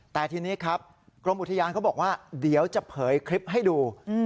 แต่ทีนี้ครับกรมอุทยานเขาบอกว่าเดี๋ยวจะเผยคลิปให้ดู